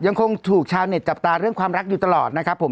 ยังคงถูกชาวในจับตาความรักอยู่ตลอดนะครับบอบ